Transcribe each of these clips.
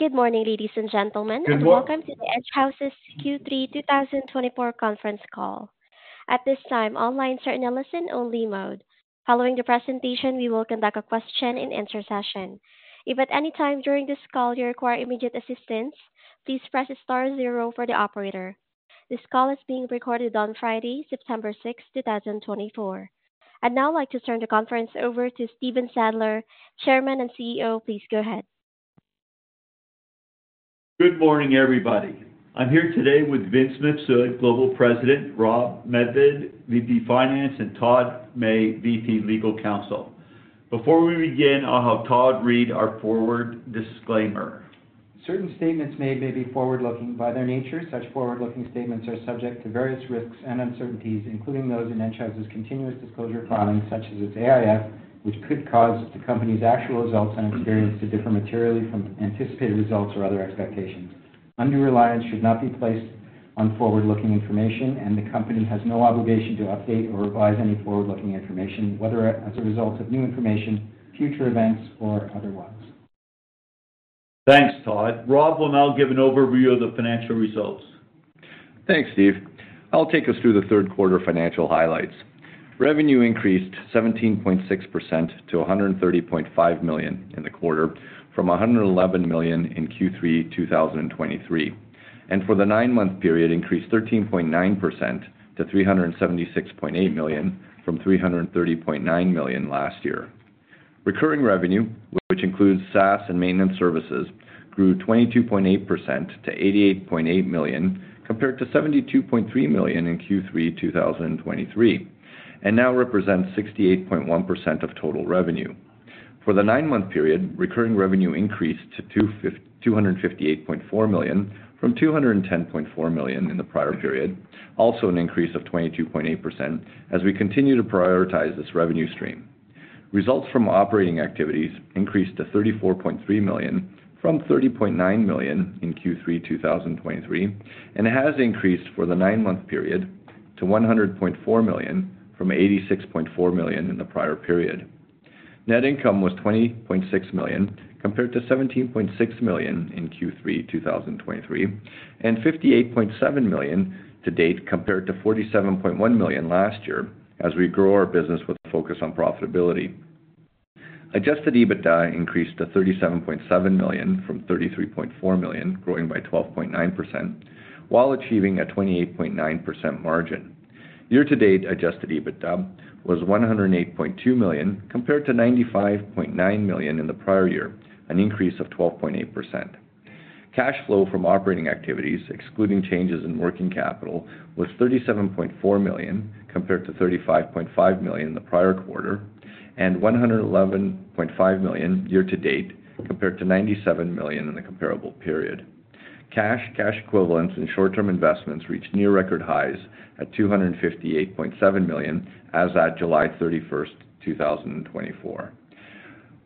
Good morning, ladies and gentlemen. Good mor- And welcome to the Enghouse's Q3 2024 Conference Call. At this time, all lines are in a listen-only mode. Following the presentation, we will conduct a Q&A session. If at any time during this call you require immediate assistance, please press star zero for the operator. This call is being recorded on Friday, September 6th, 2024. I'd now like to turn the conference over to Stephen Sadler, Chairman and CEO. Please go ahead. Good morning, everybody. I'm here today with Vince Mifsud, Global President, Rob Medved, VP Finance, and Todd May, VP Legal Counsel. Before we begin, I'll have Todd read our forward disclaimer. Certain statements made may be forward-looking by their nature. Such forward-looking statements are subject to various risks and uncertainties, including those in Enghouse's continuous disclosure filings, such as its AIF, which could cause the company's actual results and experience to differ materially from anticipated results or other expectations. Undue reliance should not be placed on forward-looking information, and the company has no obligation to update or revise any forward-looking information, whether as a result of new information, future events, or otherwise. Thanks, Todd. Rob will now give an overview of the financial results. Thanks, Steve. I'll take us through the third quarter financial highlights. Revenue increased 17.6% to 130.5 million in the quarter, from 111 million in Q3 2023, and for the nine-month period, increased 13.9% to 376.8 million, from 330.9 million last year. Recurring revenue, which includes SaaS and maintenance services, grew 22.8% to 88.8 million, compared to 72.3 million in Q3 2023, and now represents 68.1% of total revenue. For the nine-month period, recurring revenue increased to 258.4 million, from 210.4 million in the prior period, also an increase of 22.8%, as we continue to prioritize this revenue stream. Results from operating activities increased to 34.3 million from 30.9 million in Q3 2023, and has increased for the nine-month period to 100.4 million, from 86.4 million in the prior period. Net income was 20.6 million, compared to 17.6 million in Q3 2023, and 58.7 million to date, compared to 47.1 million last year, as we grow our business with a focus on profitability. Adjusted EBITDA increased to 37.7 million from 33.4 million, growing by 12.9%, while achieving a 28.9% margin. Year-to-date adjusted EBITDA was 108.2 million, compared to 95.9 million in the prior year, an increase of 12.8%. Cash flow from operating activities, excluding changes in working capital, was 37.4 million, compared to 35.5 million in the prior quarter, and 111.5 million year to date, compared to 97 million in the comparable period. Cash, cash equivalents, and short-term investments reached near record highs at 258.7 million as at July 31st, 2024.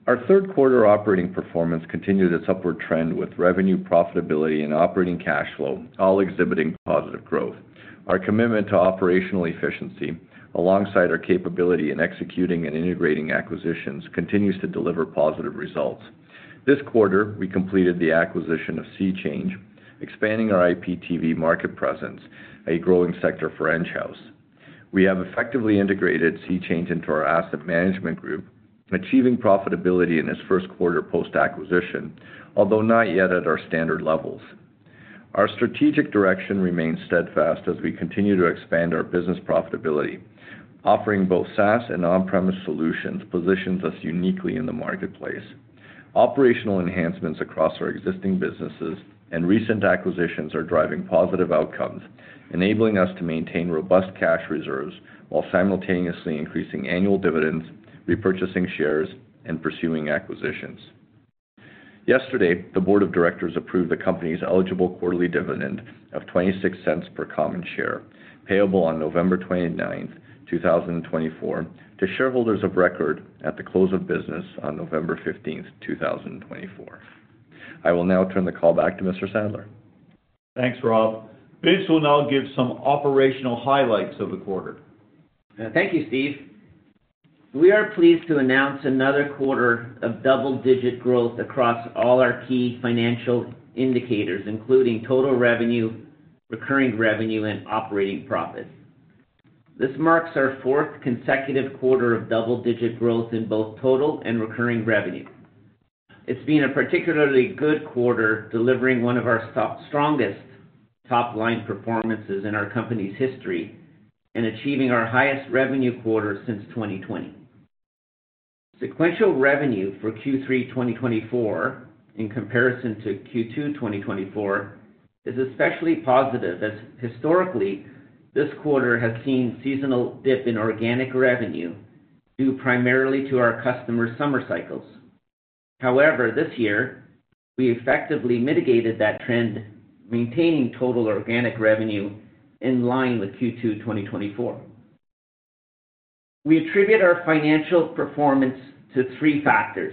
Our third quarter operating performance continued its upward trend, with revenue, profitability, and operating cash flow all exhibiting positive growth. Our commitment to operational efficiency, alongside our capability in executing and integrating acquisitions, continues to deliver positive results. This quarter, we completed the acquisition of SeaChange, expanding our IPTV market presence, a growing sector for Enghouse. We have effectively integrated SeaChange into our Asset Management Group, achieving profitability in its first quarter post-acquisition, although not yet at our standard levels. Our strategic direction remains steadfast as we continue to expand our business profitability. Offering both SaaS and on-premise solutions positions us uniquely in the marketplace. Operational enhancements across our existing businesses and recent acquisitions are driving positive outcomes, enabling us to maintain robust cash reserves while simultaneously increasing annual dividends, repurchasing shares, and pursuing acquisitions. Yesterday, the board of directors approved the company's eligible quarterly dividend of 0.26 per common share, payable on November twenty-ninth, 2024, to shareholders of record at the close of business on November fifteenth, 2024. I will now turn the call back to Mr. Sadler. Thanks, Rob. Vince will now give some operational highlights of the quarter. Thank you, Steve. We are pleased to announce another quarter of double-digit growth across all our key financial indicators, including total revenue, recurring revenue, and operating profit. This marks our fourth consecutive quarter of double-digit growth in both total and recurring revenue. It's been a particularly good quarter, delivering one of our strongest top-line performances in our company's history and achieving our highest revenue quarter since 2020. Sequential revenue for Q3 2024, in comparison to Q2 2024, is especially positive, as historically, this quarter has seen seasonal dip in organic revenue, due primarily to our customer summer cycles. However, this year, we effectively mitigated that trend, maintaining total organic revenue in line with Q2 2024. We attribute our financial performance to three factors: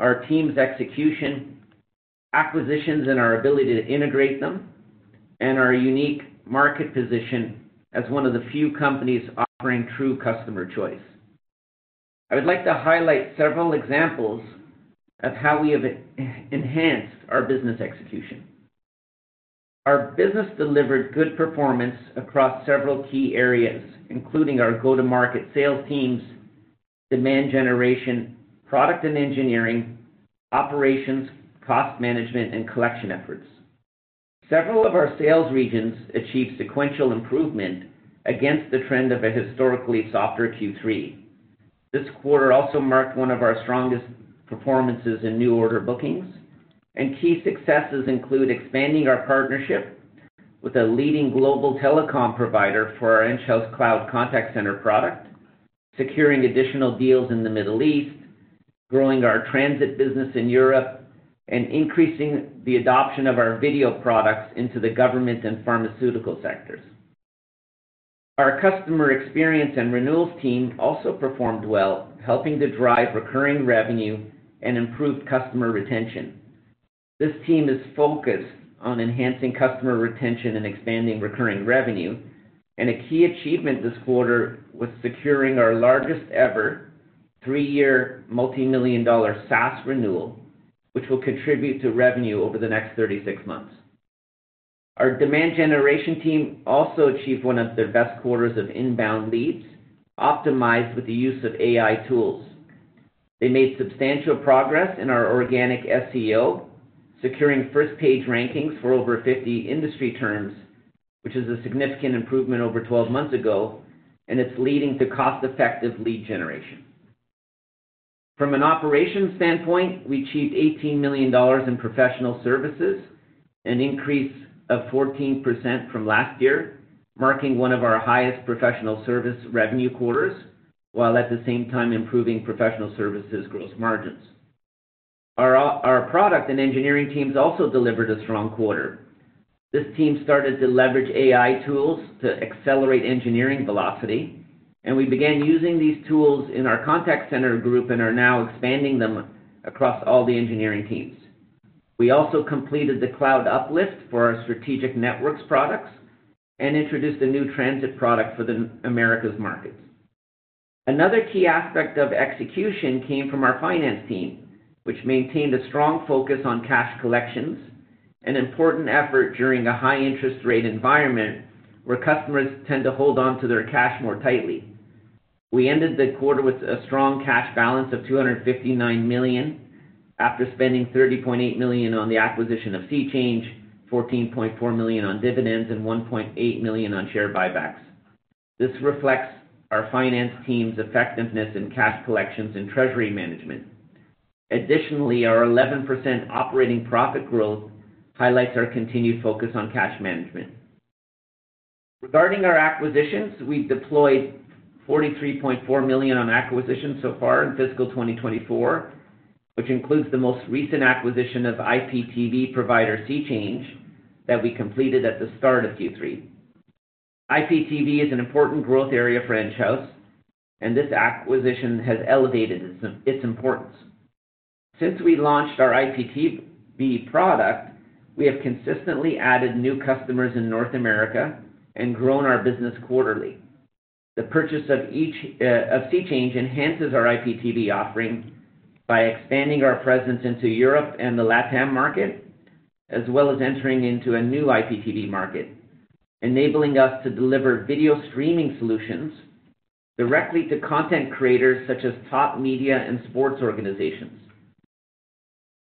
our team's execution, acquisitions, and our ability to integrate them, and our unique market position as one of the few companies offering true customer choice. I would like to highlight several examples of how we have enhanced our business execution. Our business delivered good performance across several key areas, including our go-to-market sales teams, demand generation, product and engineering, operations, cost management, and collection efforts. Several of our sales regions achieved sequential improvement against the trend of a historically softer Q3. This quarter also marked one of our strongest performances in new order bookings, and key successes include expanding our partnership with a leading global telecom provider for our Enghouse cloud contact center product, securing additional deals in the Middle East, growing our transit business in Europe, and increasing the adoption of our video products into the government and pharmaceutical sectors. Our customer experience and renewals team also performed well, helping to drive recurring revenue and improve customer retention. This team is focused on enhancing customer retention and expanding recurring revenue, and a key achievement this quarter was securing our largest-ever three-year multimillion-dollar SaaS renewal, which will contribute to revenue over the next 36 months. Our demand generation team also achieved one of their best quarters of inbound leads, optimized with the use of AI tools. They made substantial progress in our organic SEO, securing first-page rankings for over 50 industry terms, which is a significant improvement over 12 months ago, and it's leading to cost-effective lead generation. From an operations standpoint, we achieved 18 million dollars in professional services, an increase of 14% from last year, marking one of our highest professional service revenue quarters, while at the same time improving professional services gross margins. Our product and engineering teams also delivered a strong quarter. This team started to leverage AI tools to accelerate engineering velocity, and we began using these tools in our contact center group and are now expanding them across all the engineering teams. We also completed the cloud uplift for our strategic networks products and introduced a new transit product for the Americas markets. Another key aspect of execution came from our finance team, which maintained a strong focus on cash collections, an important effort during a high interest rate environment, where customers tend to hold on to their cash more tightly. We ended the quarter with a strong cash balance of 259 million, after spending 30.8 million on the acquisition of SeaChange, 14.4 million on dividends, and 1.8 million on share buybacks. This reflects our finance team's effectiveness in cash collections and treasury management. Additionally, our 11% operating profit growth highlights our continued focus on cash management. Regarding our acquisitions, we've deployed 43.4 million on acquisitions so far in fiscal 2024, which includes the most recent acquisition of IPTV provider, SeaChange, that we completed at the start of Q3. IPTV is an important growth area for Enghouse, and this acquisition has elevated its importance. Since we launched our IPTV product, we have consistently added new customers in North America and grown our business quarterly. The purchase of SeaChange enhances our IPTV offering by expanding our presence into Europe and the LatAm market, as well as entering into a new IPTV market, enabling us to deliver video streaming solutions directly to content creators, such as top media and sports organizations.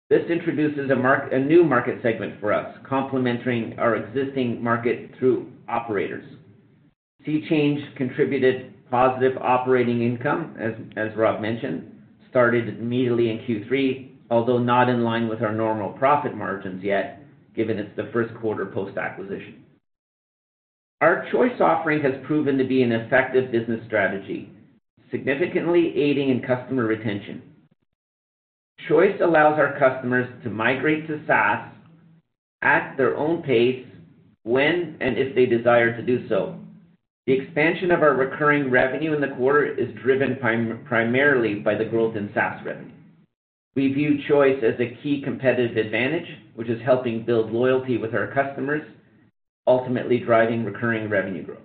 This introduces a new market segment for us, complementing our existing market through operators. SeaChange contributed positive operating income, as Rob mentioned, started immediately in Q3, although not in line with our normal profit margins yet, given it's the first quarter post-acquisition. Our Choice offering has proven to be an effective business strategy, significantly aiding in customer retention. Choice allows our customers to migrate to SaaS at their own pace, when and if they desire to do so. The expansion of our recurring revenue in the quarter is driven primarily by the growth in SaaS revenue. We view Choice as a key competitive advantage, which is helping build loyalty with our customers, ultimately driving recurring revenue growth.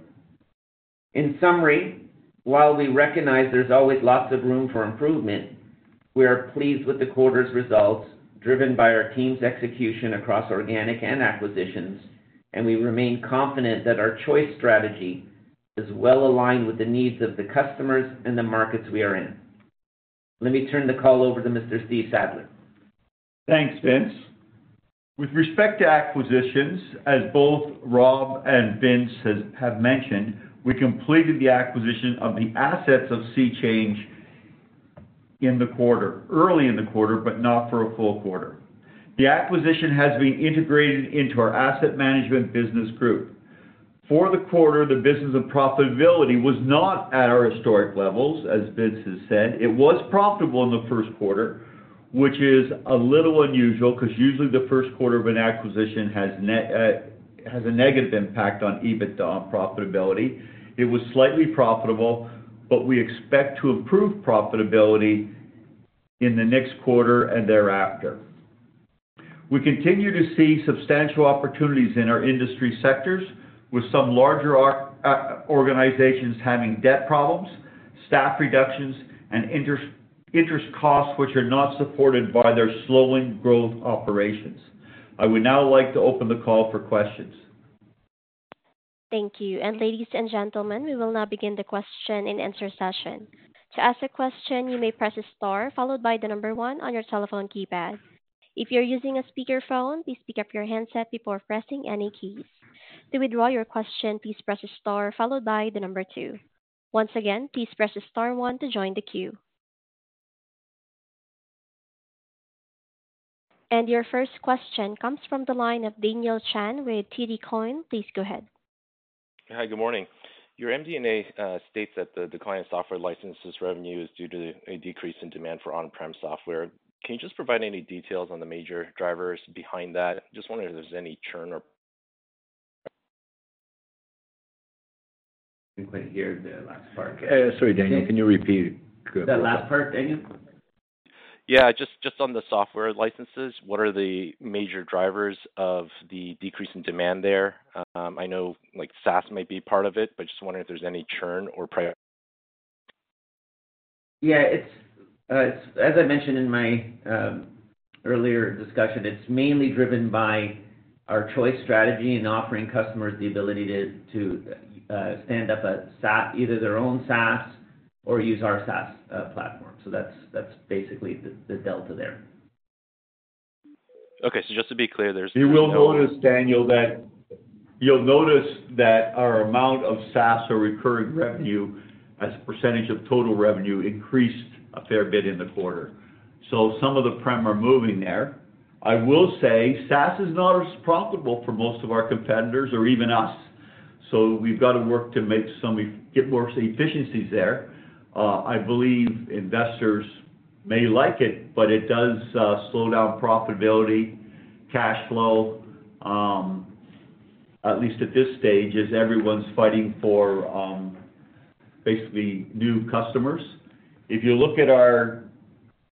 In summary, while we recognize there's always lots of room for improvement, we are pleased with the quarter's results, driven by our team's execution across organic and acquisitions, and we remain confident that our Choice strategy is well aligned with the needs of the customers and the markets we are in. Let me turn the call over to Mr. Steve Sadler. Thanks, Vince. With respect to acquisitions, as both Rob and Vince have mentioned, we completed the acquisition of the assets of SeaChange in the quarter, early in the quarter, but not for a full quarter. The acquisition has been integrated into our asset management business group. For the quarter, the business of profitability was not at our historic levels, as Vince has said. It was profitable in the first quarter, which is a little unusual, because usually, the first quarter of an acquisition has net, has a negative impact on EBITDA profitability. It was slightly profitable, but we expect to improve profitability in the next quarter and thereafter. We continue to see substantial opportunities in our industry sectors, with some larger organizations having debt problems, staff reductions, and higher interest costs which are not supported by their slowing growth operations. I would now like to open the call for questions. Thank you. And ladies and gentlemen, we will now begin the question and answer session. To ask a question, you may press star, followed by the number one on your telephone keypad. If you're using a speakerphone, please pick up your handset before pressing any keys. To withdraw your question, please press star followed by the number two. Once again, please press star one to join the queue. And your first question comes from the line of Daniel Chan with TD Cowen. Please go ahead. Hi, good morning. Your MD&A states that the decline in software licenses revenue is due to a decrease in demand for on-prem software. Can you just provide any details on the major drivers behind that? I'm just wondering if there's any churn or- Didn't quite hear the last part. Sorry, Daniel, can you repeat that last part? The last part, Daniel? Yeah, just on the software licenses, what are the major drivers of the decrease in demand there? I know, like, SaaS may be part of it, but just wondering if there's any churn or prior- Yeah, it's as I mentioned in my earlier discussion, it's mainly driven by our Choice strategy in offering customers the ability to stand up a SaaS, either their own SaaS or use our SaaS platform. So that's basically the delta there. Okay, so just to be clear, there's- You'll notice, Daniel, that our amount of SaaS or recurring revenue as a percentage of total revenue increased a fair bit in the quarter. So some of the on-prem are moving there. I will say, SaaS is not as profitable for most of our competitors or even us, so we've got to work to get more efficiencies there. I believe investors may like it, but it does slow down profitability, cash flow, at least at this stage, as everyone's fighting for basically new customers. If you look at our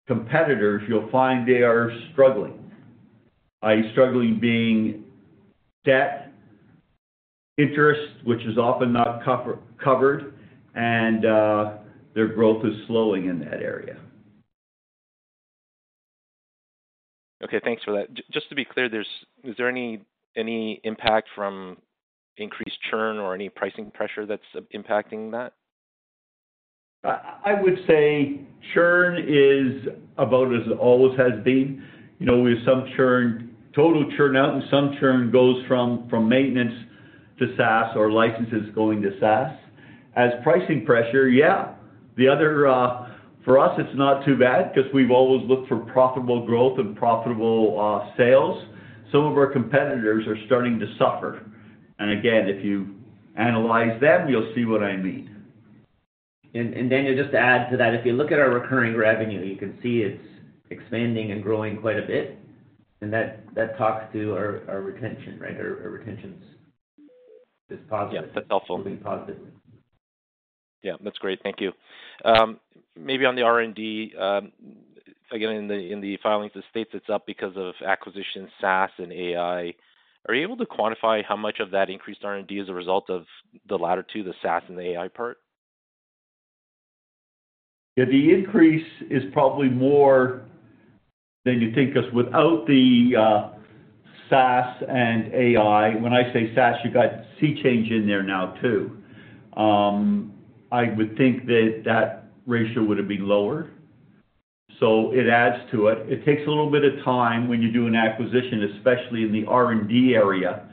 competitors, you'll find they are struggling. With struggling being debt, interest, which is often not covered, and their growth is slowing in that area. Okay, thanks for that. Just to be clear, is there any impact from increased churn or any pricing pressure that's impacting that? I would say churn is about as it always has been. You know, we have some churn, total churn out, and some churn goes from maintenance to SaaS or licenses going to SaaS. As pricing pressure, for us, it's not too bad because we've always looked for profitable growth and profitable sales. Some of our competitors are starting to suffer. Again, if you analyze them, you'll see what I mean. Daniel, just to add to that, if you look at our recurring revenue, you can see it's expanding and growing quite a bit, and that talks to our retention, right? Our retention is positive. Yeah, that's helpful. Pretty positive. Yeah, that's great. Thank you. Maybe on the R&D, again, in the filings, it states it's up because of acquisition, SaaS and AI. Are you able to quantify how much of that increased R&D is a result of the latter two, the SaaS and AI part? Yeah, the increase is probably more than you think, because without the SaaS and AI, when I say SaaS, you got SeaChange in there now, too. I would think that that ratio would have been lower, so it adds to it. It takes a little bit of time when you do an acquisition, especially in the R&D area,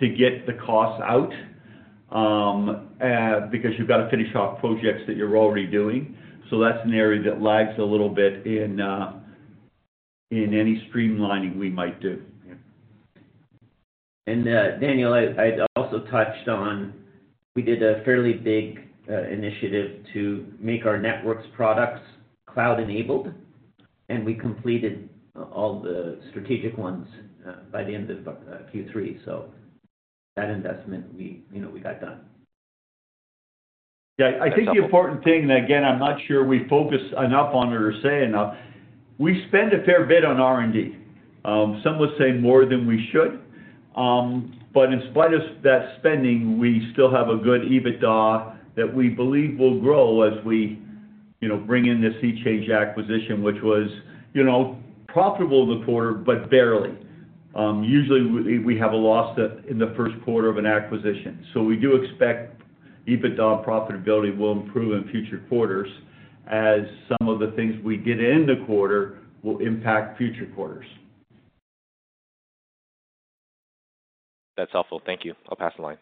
to get the costs out, because you've got to finish off projects that you're already doing. So that's an area that lags a little bit in any streamlining we might do. Yeah. And Daniel, I'd also touched on, we did a fairly big initiative to make our networks products cloud-enabled, and we completed all the strategic ones by the end of Q3. So that investment, you know, we got done. Yeah, I think the important thing, and again, I'm not sure we focus enough on or say enough. We spend a fair bit on R&D. Some would say more than we should. But in spite of that spending, we still have a good EBITDA that we believe will grow as we, you know, bring in the SeaChange acquisition, which was, you know, profitable in the quarter, but barely. Usually, we have a loss in the first quarter of an acquisition. So we do expect EBITDA profitability will improve in future quarters, as some of the things we get in the quarter will impact future quarters. That's helpful. Thank you. I'll pass the line.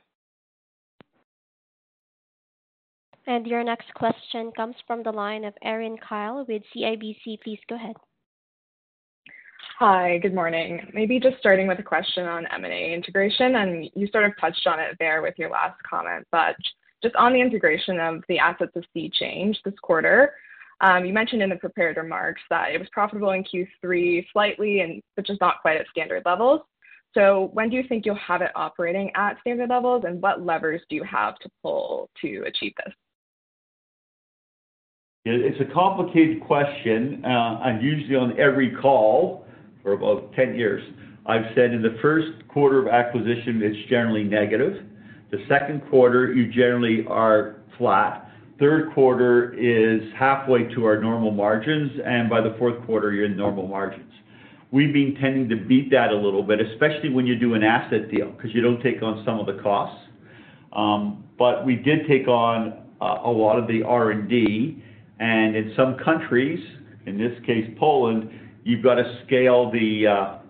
And your next question comes from the line of Erin Kyle with CIBC. Please go ahead. Hi, good morning. Maybe just starting with a question on M&A integration, and you sort of touched on it there with your last comment. But just on the integration of the assets of SeaChange this quarter, you mentioned in the prepared remarks that it was profitable in Q3 slightly, and which is not quite at standard levels. So when do you think you'll have it operating at standard levels? And what levers do you have to pull to achieve this? It's a complicated question, and usually on every call for about ten years, I've said in the first quarter of acquisition, it's generally negative. The second quarter, you generally are flat. Third quarter is halfway to our normal margins, and by the fourth quarter, you're in normal margins. We've been tending to beat that a little bit, especially when you do an asset deal, 'cause you don't take on some of the costs. But we did take on a lot of the R&D, and in some countries, in this case, Poland, you've got to scale the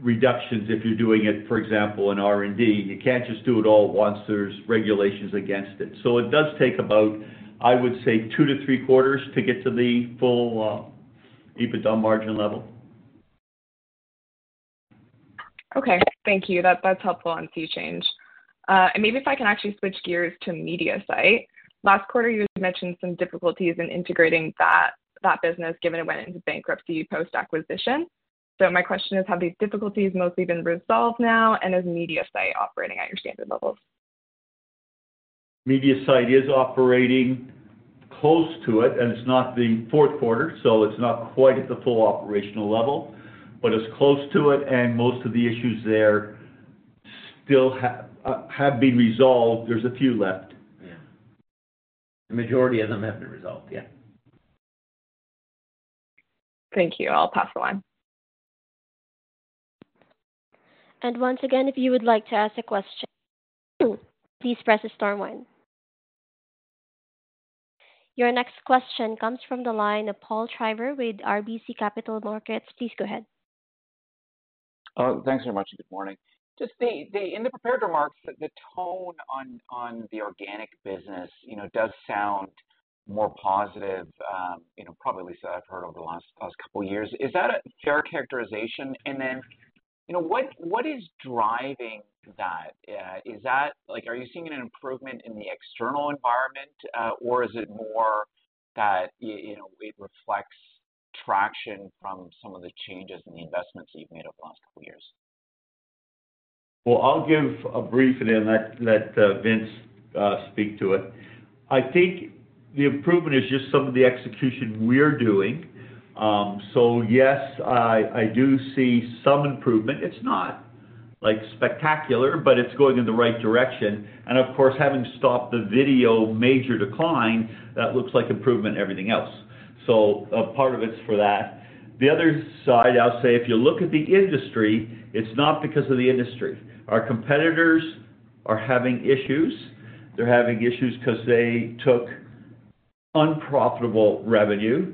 reductions if you're doing it, for example, in R&D. You can't just do it all at once, there's regulations against it. So it does take about, I would say, two to three quarters to get to the full EBITDA margin level. Okay, thank you. That, that's helpful on SeaChange, and maybe if I can actually switch gears to Mediasite. Last quarter, you had mentioned some difficulties in integrating that business, given it went into bankruptcy post-acquisition. So my question is, have these difficulties mostly been resolved now, and is Mediasite operating at your standard levels? Mediasite is operating close to it, and it's not the fourth quarter, so it's not quite at the full operational level, but it's close to it, and most of the issues there still have been resolved. There's a few left. Yeah. The majority of them have been resolved, yeah. Thank you. I'll pass the line. And once again, if you would like to ask a question, please press star one. Your next question comes from the line of Paul Treiber with RBC Capital Markets. Please go ahead. Oh, thanks very much, and good morning. Just in the prepared remarks, the tone on the organic business, you know, does sound more positive, you know, probably so I've heard over the last couple of years. Is that a fair characterization? And then, you know, what is driving that? Is that like, are you seeing an improvement in the external environment, or is it more that, you know, it reflects traction from some of the changes and the investments that you've made over the last couple years? I'll give a brief and then let Vince speak to it. I think the improvement is just some of the execution we're doing. So yes, I do see some improvement. It's not, like, spectacular, but it's going in the right direction. And of course, having stopped the video major decline, that looks like improvement, everything else. So a part of it's for that. The other side, I'll say, if you look at the industry, it's not because of the industry. Our competitors are having issues. They're having issues 'cause they took unprofitable revenue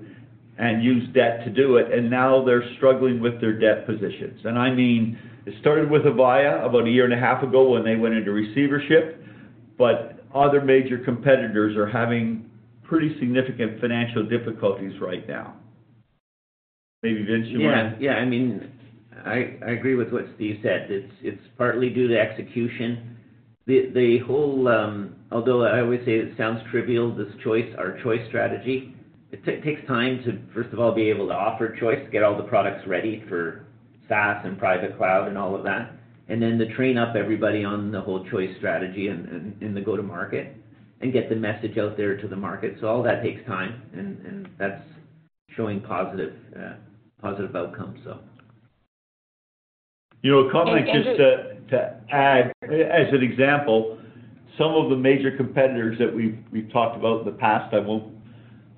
and used debt to do it, and now they're struggling with their debt positions. And I mean, it started with Avaya about a year and a half ago when they went into receivership, but other major competitors are having pretty significant financial difficulties right now. Maybe Vince, you want to- Yeah, yeah. I mean, I agree with what Steve said. It's partly due to execution. The whole, although I always say it sounds trivial, this choice, our choice strategy, it takes time to, first of all, be able to offer choice, get all the products ready for SaaS and private cloud and all of that, and then to train up everybody on the whole choice strategy and the go-to-market, and get the message out there to the market. So all that takes time and that's showing positive outcomes, so. You know, a comment just to add, as an example, some of the major competitors that we've talked about in the past. I won't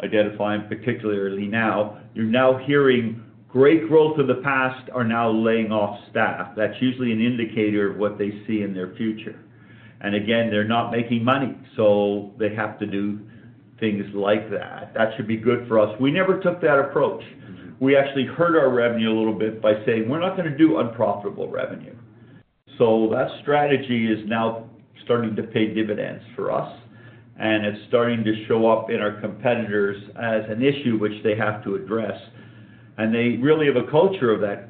identify them, particularly now. You're now hearing great growth of the past are now laying off staff. That's usually an indicator of what they see in their future. And again, they're not making money, so they have to do things like that. That should be good for us. We never took that approach. Mm-hmm. We actually hurt our revenue a little bit by saying, "We're not gonna do unprofitable revenue." So that strategy is now starting to pay dividends for us, and it's starting to show up in our competitors as an issue which they have to address. And they really have a culture of that,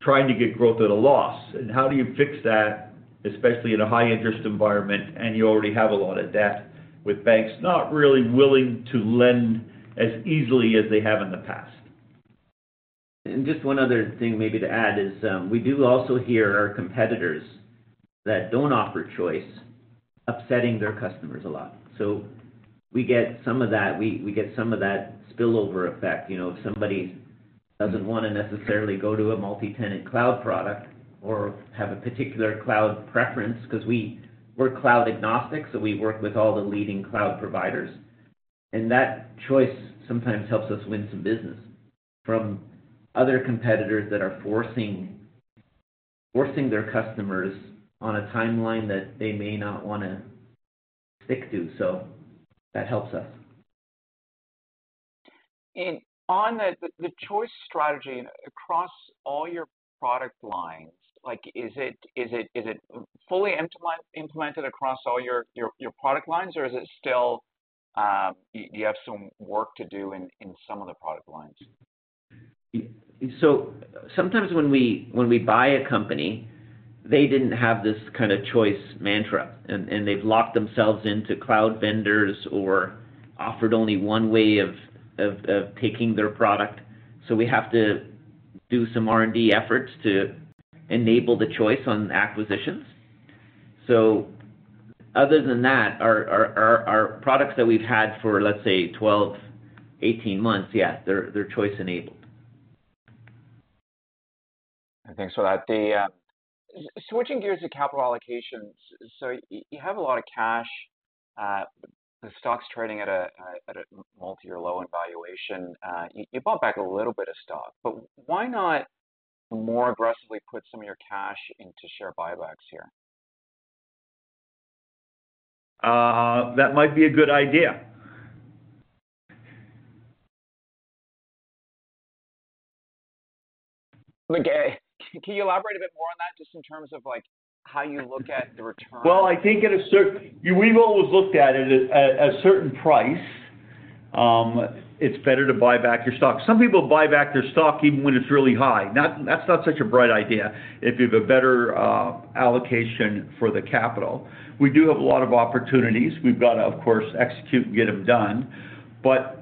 trying to get growth at a loss. And how do you fix that, especially in a high interest environment, and you already have a lot of debt, with banks not really willing to lend as easily as they have in the past? And just one other thing maybe to add is, we do also hear our competitors that don't offer Choice upsetting their customers a lot. So we get some of that. We get some of that spillover effect, you know, if somebody, doesn't wanna necessarily go to a multi-tenant cloud product or have a particular cloud preference, 'cause we're cloud agnostic, so we work with all the leading cloud providers. And that choice sometimes helps us win some business from other competitors that are forcing their customers on a timeline that they may not wanna stick to. So that helps us. On the Choice strategy across all your product lines, like, is it fully implemented across all your product lines, or is it still you have some work to do in some of the product lines? So sometimes when we buy a company, they didn't have this kind of choice mantra, and they've locked themselves into cloud vendors or offered only one way of taking their product. So we have to do some R&D efforts to enable the choice on acquisitions. So other than that, our products that we've had for, let's say, 12, 18 months, yes, they're choice-enabled. Thanks for that. Then switching gears to capital allocations. So you have a lot of cash. The stock's trading at a multi-year low in valuation. You bought back a little bit of stock, but why not more aggressively put some of your cash into share buybacks here? That might be a good idea. Okay. Can you elaborate a bit more on that, just in terms of, like, how you look at the return? I think we've always looked at it as at a certain price, it's better to buy back your stock. Some people buy back their stock even when it's really high. That's not such a bright idea if you have a better allocation for the capital. We do have a lot of opportunities. We've got to, of course, execute and get them done. But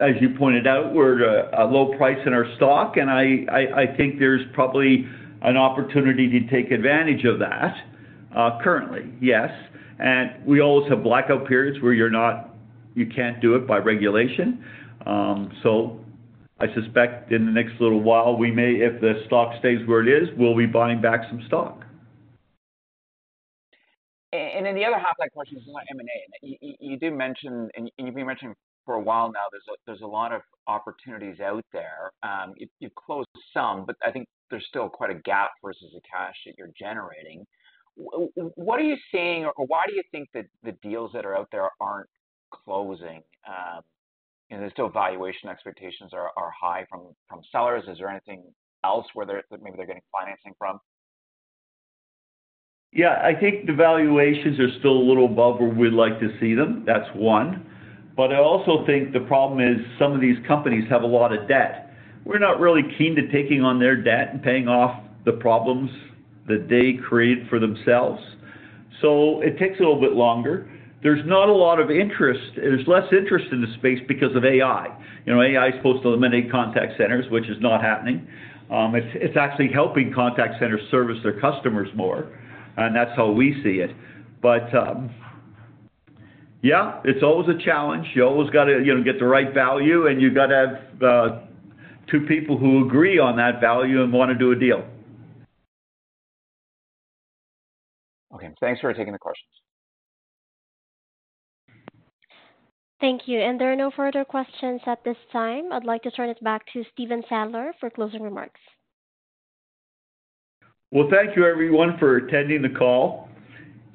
as you pointed out, we're at a low price in our stock, and I think there's probably an opportunity to take advantage of that currently. Yes. And we always have blackout periods where you can't do it by regulation. So I suspect in the next little while, we may, if the stock stays where it is, we'll be buying back some stock. And then the other half of that question is about M&A. You did mention, and you've been mentioning for a while now, there's a lot of opportunities out there. You've closed some, but I think there's still quite a gap versus the cash that you're generating. What are you seeing, or why do you think that the deals that are out there aren't closing? And there's still valuation expectations are high from sellers. Is there anything else where they're maybe getting financing from? Yeah, I think the valuations are still a little above where we'd like to see them. That's one. But I also think the problem is some of these companies have a lot of debt. We're not really keen to taking on their debt and paying off the problems that they create for themselves, so it takes a little bit longer. There's not a lot of interest. There's less interest in the space because of AI. You know, AI is supposed to eliminate contact centers, which is not happening. It's actually helping contact centers service their customers more, and that's how we see it. But yeah, it's always a challenge. You always gotta, you know, get the right value, and you've gotta have two people who agree on that value and wanna do a deal. Okay. Thanks for taking the questions. Thank you, and there are no further questions at this time. I'd like to turn it back to Stephen Sadler for closing remarks. Thank you everyone for attending the call.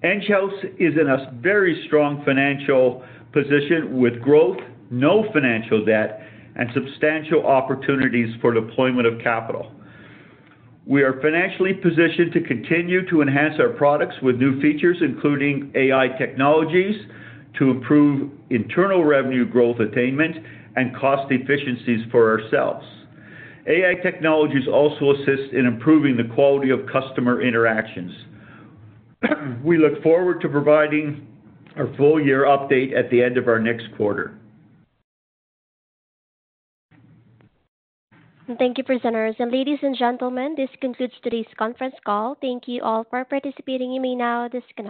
Enghouse is in a very strong financial position with growth, no financial debt, and substantial opportunities for deployment of capital. We are financially positioned to continue to enhance our products with new features, including AI technologies, to improve internal revenue growth attainment and cost efficiencies for ourselves. AI technologies also assist in improving the quality of customer interactions. We look forward to providing our full year update at the end of our next quarter. Thank you, presenters, and ladies and gentlemen. This concludes today's conference call. Thank you all for participating. You may now disconnect.